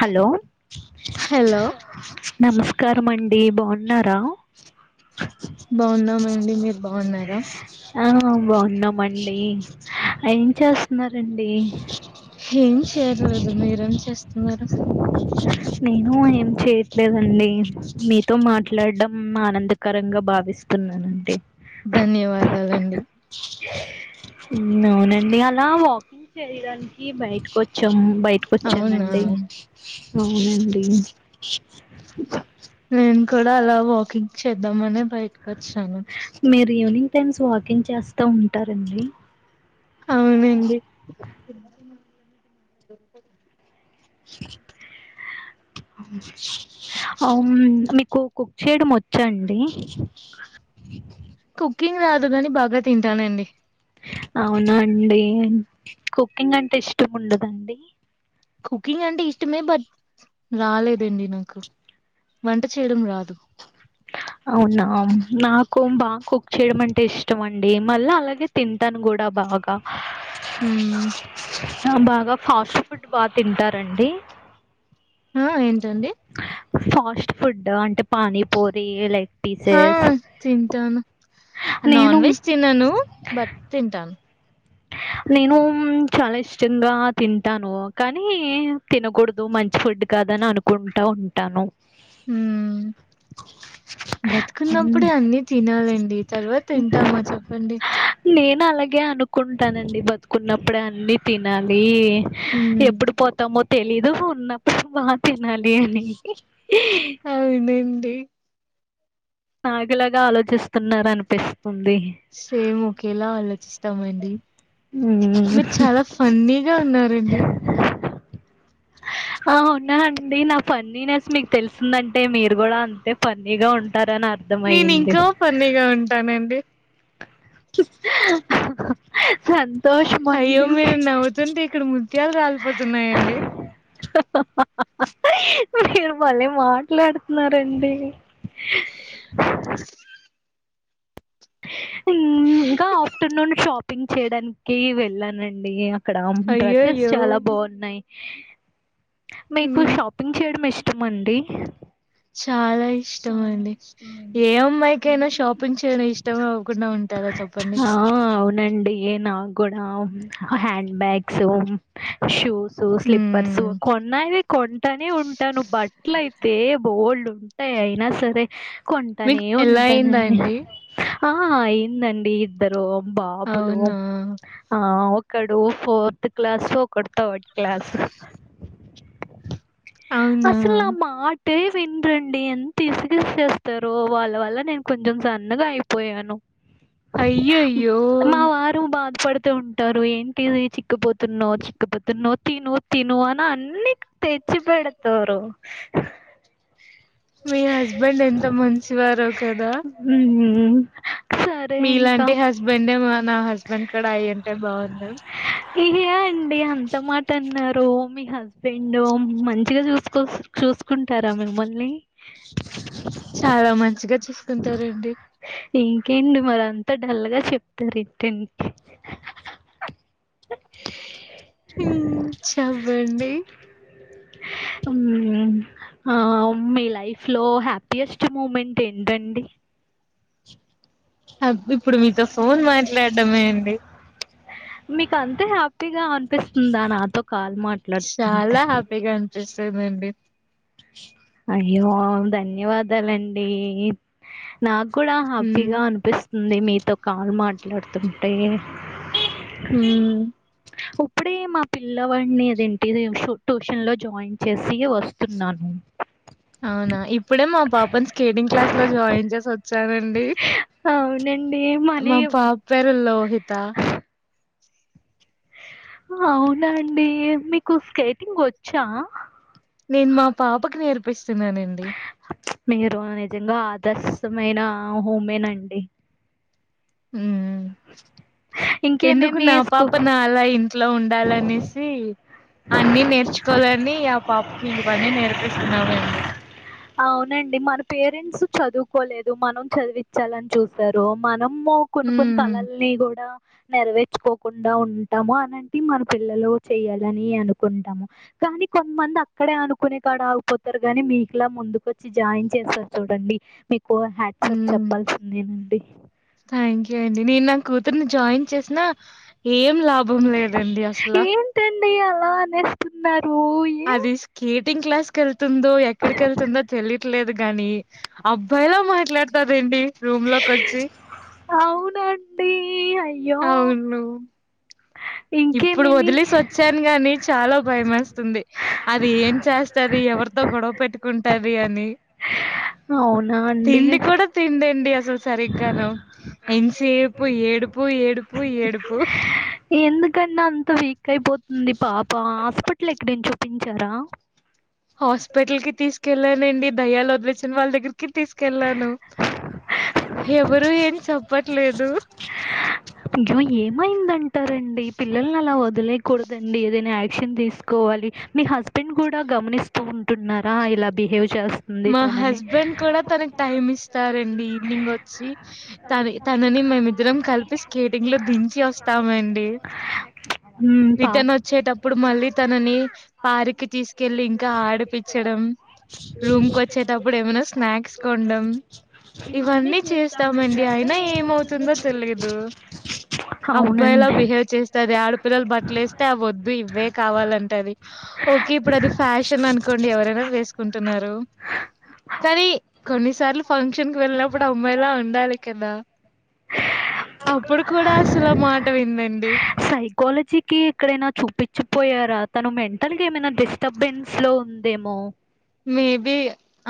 Hello hello నమస్కారం అండి బాగు న్నారా బాగున్నామండి మీరు బాగున్నారా ఆ బాన్నమ్ ఆన్ డి ఏం చేస్తున్నారండి ఏం చేయర్లేదు మీరేం చేస్తున్నారు నేను ఏం చేయట్లేదండి మీతో మాట్లాడడం ఆనందకరంగా భావిస్తున్నానండి ధన్యవాదాలండి అవునవునండి అలా వాక్ చేయడానికి బయటకు వచ్చాం బయటక అవునా వచ్చానండి అవునండి నేను కూడా అలా వాకింగ్ చేద్దామనే బయటకి వచ్చాను ఈవనింగ్ టైమ్స్ వాకింగ్ చేస్తా ఉంటారండి అవునండి [unintelligible] అవును మీక్ కు కుక్ చేయడం వచ్చండి కుకింగ్ రాదు కాని బాగా తింటానండి అవునా అండి కుకింగ్ అంటే ఇష్టం ఉండదండి కుకింగ్ అంటే ఇష్టమే బట్ రాలేదండి నాకు వంట చేయడం రాదు అవునా నాకు బాగా కుక్ చేయడం అంటే ఇష్టం అండి మళ్ళీ అలాగే తింటాను కూడా బాగా హుమ్ ఆ బాగా ఫాస్ట్ ఫుడ్ బాగా తింటారండి ఆ ఎం ఫస్ట్ ఫు ఫుడ్ అంటే పానీపూరి లెగ్ ఆ పీసెస్ తింటాను నేను నాన్ వెజ్ తినను బట్ తింటాను నేను చాలా ఇష్టంగా తింటాను కానీ తినకూడదు మంచి ఫుడ్ కాదని అనుకుంటా ఉంటాను మ్మ్. బ్రతుకున్నప్పుడే అన్ని తినాలండి తర్వాత తింటామా చెప్పండి నాలాగే అను కుంటానండి బతుకున్నప్పుడే అన్ని తినాలి హ్మ్ ఎప్పుడు పోతామో తెలీదు ఉన్నప్పుడు బా తినాలి అని ఏంటి నాగులాగా ఆలోచిస్తున్నారు అనిపిస్తుంది సేమ్ ఒకేలా ఆలోచిస్త స్తమండి మీరు చాలా ఫన్నీగా ఉన్నారండి ఆ ఉన్నా అండి నా ఫన్నిన్స్ మీకు తెలుసిందంటే మీరు కూడా అంతే ఫన్నీగా ఉంటారని నేన్ అర్థమయింది ఇంకా ఫన్నీగా ఉంటానండి సంతోషం అయ్యో అండి మీరు నవ్వుతుంటే ఇక్కడ ముత్యాలు రాలిపోతున్నాయండి మీరు మళ్ళీ మాట్లాడుతున్నారండి అ మ్మ్ ఇంకా ఆఫ్టర్నూన్ షాప్ టింగ్ చేడానికి వెళ్ళానండి క్డం డ్రెస్సెస్ అయ్యోయ్యో చాలా బాగున్నాయ్ మీకు ఉమ్ షాపింగ్ చేయడం ఇష్ త్తమంది చాలా ఇష్టమండి ఏ అమ్మాయికైన షాపింగ్ చేయడం ఇష్ట్ టవ అవ్వకుండా ఉంటారా చెప్పండి నాగ్ గుడా హ్యాండ్ బ్యాగ్స్ షూస్ సు స్లిప్పర్స్ ఉమ్ కొన్నాయివి కొంటనే ఉంటాను బట్లయితే బోల్డ్ ఉంటాయి అయినా సరే మీకు కొంటనే పెళ్లయిందా ఉంటానండి అండి ఆ ఎందండి ఇద్దరో బాబులు అవునా ఆ కడో ఫోర్త్ క్లాసు ఒకడు థర్డ్ క్లాస్ అవునా అసల్ ఆ మాట్ టె విన్ రండి ఎంత్ విస్గేస్తారో వాళ్ళ వల్ల నేను కొంచెం సన్నగా అయ్ పొయను అయ్యయో పడుతూ ఉంటారు ఏంటిది చిక్కుపోతున్నావ్ చిక్కుపోతున్నవ్ తిను తిను అన్ అన్ని తెచ్చి పెడతారు మీ హస్బెండ్ ఎంత మంచివారో కదా ఉమ్ సరే ఇంకా మీలాంటి హస్బెండే మ న హస్బెండ్ కుడ అయి అంటే బాగుండు ఇ ఏ అండి అంత మట్టన్నారు మీ హస్బెండు మంచిగా చూసుకో చూసుకుంటారా మిమ్మల్ని చాలా మంచిగా చూసుకుంటారండి ఎంత డల్ గా చెప్తారు ఇంటన్ హూ చెప్పండి ఉమ్ ఆ ఒ మేలా లైఫ్ లో హ్యాపీయెస్ట్ మూమెంట్ ఏంటండి ఇప్పుడు మీతో ఫోన్ మాట్లాడమే అండి మీకు అంతే హ్యాపీగా అనిపిస్తుందా నాతో కాల్ మాట్లాడుతుంటే చాలా హ్యాపీగా అనిపిస్తుందండి అయ్యో ధన్యవాదాలండి నాక్ కూడా హ్మ్ హ్యాపీగా అనిపిస్ ఉంది మీతో కాల్ మాట్లాడుతుంటే హ్మ్ పుడే మా పిల్లవాడ్ని అద్ ఏంటిది షూ ట్యూషన్ లో జాయిన్ చేసి వస్తు నార్మల్ అవునా ఇప్పుడే మా పాపన్ స్కేటింగ్ క్లాస్ లో జాయిన్ చేస్ ఒచ్చం సనండి అవునండి మనీ మా పాప్ పేరు లోహిత అవునా అండి మీకు స్కేటింగ్ వచ్చా నేను మా పాపకు నేర్పిస్తున్నానండి మీరు నిజంగా ఆదర్శమైన హోమేనండి ఉమ్ ఎందుకు ఇంకేమేమి నా పాప స్కూ నాలయి న్ ఇంట్లో ఉండాలనేసి అన్నిీ నేర్చుకోవాలని ఆ పాపకి ఇవన్నీ నేర్పిస్తున్నామండి అవునండి మన పేరెంట్స్ చదువుకోలేదు మనం చదివించాలని చూసారు మనం మ్మో కొన్ని కొన్ని ఉమ్ కళల్ని కూడా నెరవేర్చుకోకుండా ఉంటాము అనంటి మన పిల్లలు చేయాలి లని అనుకుంటాము. కానీ కొంతమంది అక్కడే అనుకునే కాడ ఆగిపోతారు, గానీ మీకు లా ముందుకుొచ్చి జాయిన్ చేస్తారు చూడండి. మిక్ కు హ్యాట్సాప్ ఉమ్ చెప్పాల్సిందేనండి. థ్యాంక్ యూ అండి నేను నా కూతుర్ని జాయిన్ చేసిన ఏం లా భం లేదండి అసలా డి అలా అనేస్తున్నార్ ంగ్ క్లాస్ ఎల్ తుందో ఎక్కడికి వెళ్తుందో తెలియట్లేదు కానీ అబ్బాయిలా మాట్లాడతాదేంటి రూమ్ లోకి వచ్చి డి అయ్యో అవును ఇప్పుడు ఇంకేమేమి వదిలేసి వచ్చాను గాని చాలా భయమేస్తుంది. అది ఏం చేస్తది ఎవర్ తో గొడవ పెట్టుకుంటాది అని అవునా తిండి అండి కూడా తిండిండి అసలు సరిగ్గాను ఎంతసేపు ఏడుపు ఏడుపు ఏడుపు ఎందుకండి అంత వీక్ అయిపోతుంది పాప హాస్పిటల్ ఎక్కడయిన చూపించారా హాస్పిటల్ కి తీసుకెళ్లాానండి దయ్యాలు వదిలే చో వాళ్ళ దగ్గరికి కి తీసుకెల్లాను ఎవరు ఏం చెప్పట్ లేదు. ఇంక ఏమైందంటారండి పిల్లల్ని అలా వదిలేయకూడదండి ఏదైనా యాక్షన్ తీసుకోవాలి మీ హస్బెండ్ కూడా గమనిస్తూ ఉంటున్నారా ఇలా బిహేవ్ చేస్తుంది మా తనని హస్బెండ్ కూడా తనకి టైమ్ ఇస్తారంండి. ఈవినింగ్ వచ్చి త తనని మేమిద్దరం కలిపి కేటింగ్ లో దించి వస్తామండి. మ్మ్, పాప రిటర్న్ వచ్చేటప్పుడు మళ్ళీ తనని పార్కి తీస్ కెళ్ళి ఇంకా ఆడిపిచ్చడం రూమ్కి వచ్చేటప్పుడు ఏమైనా స్నాక్స్ కొండం ఇవన్నీ చేస్తామండి అయినా ఏమవుతుందో తెలియదు అబ్బాయిలా అవునండి బిహేవ్ చేస్తది ఆడపిల్లలు బట్టలేస్తే అవ్వద్దు ఇవ్వె కావాలంటది ఓకే ఇప్పుడు అది ఫ్యాషన్ అనుకోండి ఎవరైనా వేసుకుంట టున్నారు. కానీ కొన్నిసార్లు ఫంక్షన్ కి వెళ్ళినప్పుడు అమ్మాయిలా ఉండాలి కదా అప్పుడు కూడా అసలు మాట విందండి. సైకాలజీకి ఎక్కడైనా చూపించిపోయారా తను మెంటల్గా ఏమైనా డిస్టర్బెన్స్ లో ఉందేమో మేబి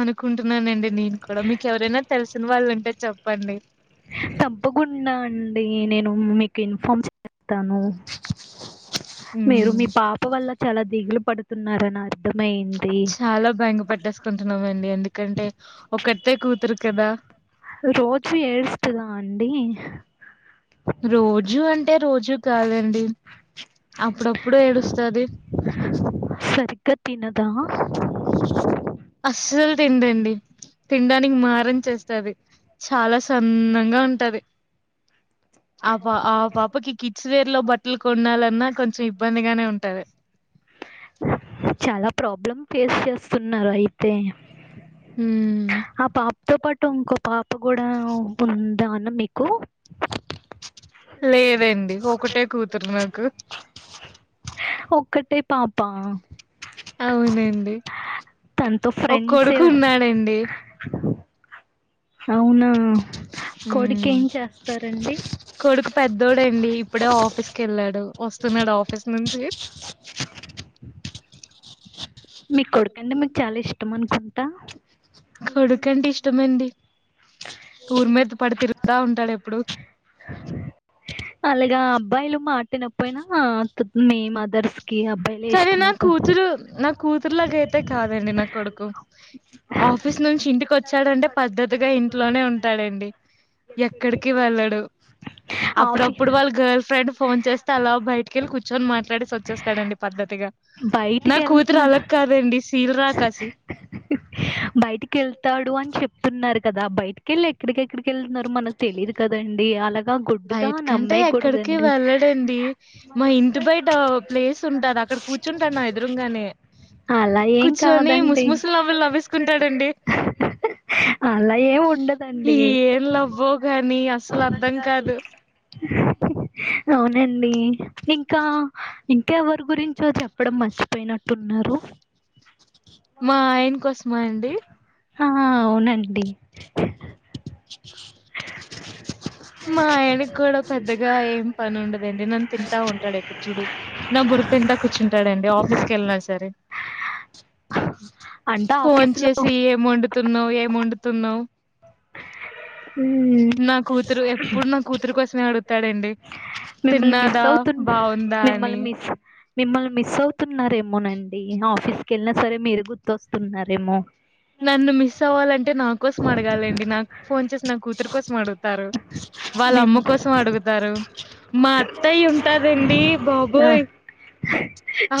అనుకుంటున్నానండి నేను కూడా మీకు ఎవరైనా తెలిసిన వాళ్ళు ఉంటే చెప్పండి. తప్పకుండా అండి నేను మీకు ఇన్ఫార్మ్ చేస్తాను. మీరు హ్మ్ మీ పాప వల్ల చాలా దిగులు పడుతున్నారని అర్థమైంది చాలా భయంగా పట్టేసుకుంటున్నామండి ఏందుక్ కంటే ఒకట్తే కూతురు కదా రోజు ఏడుస్తుందా అండి రోజు అంటే రోజూ కాదండి అప్పుడప్పుడు ఏడుస్తది. సరిగ్గా తినదా అస్సలు తినదండి. తినడానికి మారం చేస్త స్థాది. చాలా సన్నంగా ఉంటది ఆ పా ఆ పాపకి కిడ్స్ వేర్ లో బట్టలు కొనాలన్నా కొంచెం ఇబ్బందిగానే ఉంటది. చాలా ప్రాబ్లం ఫేస్ చేస్తున్నారు అయితే హ్మ్ ఆ పాపతో పాటు టిన్కో పాప తప్ప కూడా ఉండదాన్న మీకు లేదండి ఒకటే కూతురు నాకు ఒక్కటే పాప అవునండి తనతో ఓ ఫ్రెండ్స్ కొడుకు ఉన్నాడండి. అవునా ఉ కొడుకు ఏం చేస్తారండి కొడుకు పెద్దోడండిఇప్పుడే ఆఫీస్కి వెళ్ళాడు వస్తున్నాడు ఆఫీస్ నుంచి మీ కొడుకు అంటే మీక్ చాలా ఇష్ పెట్టమనుకుంటా కొడుకంటే ఇష్టమండి ఊరి మీద పడి తిరుగుతా ఉంటాడు ఎప్పుడు అలాగా అబ్బాయిలు మాట వినకపోయినా మీ మదర్స్ కి అబ్బాయిలే సరె నా ఇష్టమవుతారు కూతురు నా కూతుర్ కూతుర్లగా అయితే కాదండి నా కొడుకు ఆఫీస్ నుంచి ఇంటికి వచ్చాడంటే పద్ద్దతిగా ఇంట్లోనే ఉంటాడండి. ఎక్కడికి వెళ్ళడు. ఆఫీ అప్పుడప్పుడు వాళ్ళ గర్ల్ ఫ్రెండ్ ఫోన్ చేస్తే అలా బయటకిెళ్ళి కూర్చొని మాట్లాడేసి వచ్చేస్తాడండి. పద్ధతిగా నా బయటికి కూతుర వెళ్తున్నా అలగ్ కా దండి బయటికి వెళ్తాడు అని చెప్ న్నారు కదా బయటికెళ్ళి ఎక్కడికెక్కడికి వెళ్తున్నారు మనకు తెలీదు కదండి అలా బయట కంటే ఎక్కడికి వెళ్ళడండి మా ఇంటి బయట ప్లేస్ ఉంటది అక్కడ కూర్చుంటా నా ఎదురుంగానే అలా ఏం కుచ్ కూర్చొని ముసు కాదండి ముసులు నవ్లు నవ్్వేసుకుంటాడండి అలా ఏం ఈ ఉండదండి ఏం లవ్ వో గాని అసలు అర్ధం కాదు అవునండి ఇంకా ఇంకేవరి గురించో చెప్పడం మర్చిపోయినట్టున్నారు మా ఆయన కోసం మండి ఆ అవునండి మా ఆయనకి కూడా పెద్దగా ఏం పని ఉండదండి నన్ను తింటా ఉంటాడు ఎప్పుడు చూడు నా బుర్ర తింటా కూర్చుంటాడుండి ఆఫీస్కి వెళ్ళినా సరే అంటే ఫోన్ ఆఫీసులో వచ్చేసి ఏం వండుతున్నావు ఏం వండుతున్నావు నా ఉమ్ కూతురు ఎప్పుడు నా కూతురు కోసమే అడుగుతాడండి మిమ్మల్ని మిస్ తిన్నాదా అవుతు బాగుందా మిమ్మల్ని అని మిస్ మిమ్మల్ని మిస్ అవుతున్నారేమోనండి అండి ఆఫీస్కి వెళ్ళినా సరే మీరు గుర్తొస్తున్నారేమో నన్ను మిస్ అవ్వాల అంటే నా కోసం అడగల్ ండి నాకు ఫోన్ చేసి నా కూతురు కోసం అడుగుతారు వాళ్ళ మేము అమ్మ కోసం అడుగుతారు మా అత్తయి్ ఉంటాదండి ఆ, బాబోయ్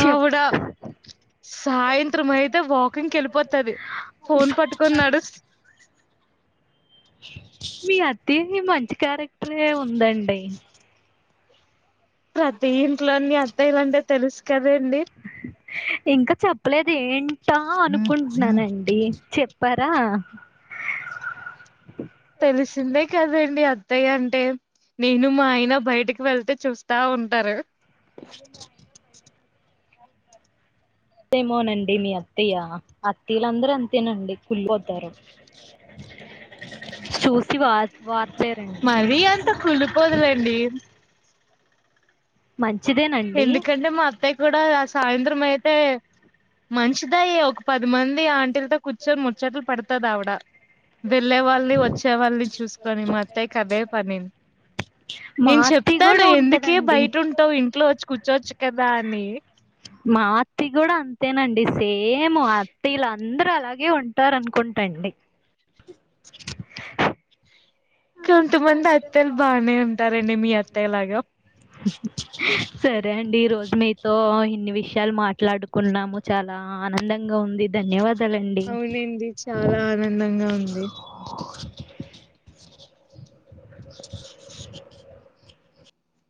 చెప్ సాయంత్రం అయితే వాకింగ్ కెలిపు ముచ్చట్లు ఫోన్ పట్టుకున్నాడు మీ అత్తయకి మంచి క్యారెక్టరే ఉందండి ప్రతి ఇంట్లోన్నీ అత్తాయ్యలంటే తెలుసు కదండి ఇంకా చెప్పలేదు ఏం టా అనుకుంటున్నానండి చె పార తెలిసిందే కదండి అత్తయ్య అంటే నేను మా ఆయన బయటకి వెళ్తే చూస్తా ఉంటారు అంతేమోనండి మీ అత్తయ్య అత్తయ్యలందరూ అంతేనండి కుళ్ళిపోతారు చూసి వ వ మరీ అంత కులిపోదులండి మంచి ఎందుకంటే మా అత్తయ కూడా ఆ సాయంత్రం అయితే మంచిదయి ఒక పది మంది ఆంటీలతో కూర్చొని ముచ్చట్లు పెడతది ఆవిడ వెళ్ళే వాళ్ళని వచ్చే వాళ్ళని చూసుకొని మా అత్త్య క అదే పని మా నేను అత్తయ్య చెప్తాను కూడా ఎందుకే ఉంటదండి బయట ఉంటావు ఇంట్లో చ్చు కదా అని మా అత్తయ కూడా అంతేనండి సేమ్ అత్తయ్య లందరూ అలాగే ఉంటారనుకుంటండి కొంతమంది అత్తలు బానే ఉంటారండి మీ అత్తయ్య లాగా సరే అండి ఈ రోజు మి సో ఇన్ని విషయాలు మాట్లాడుకున్నాము చాలా ఆనందంగా ఉంది ధన్యవాదా అవునండి చాలా ఆనందంగా ఉంది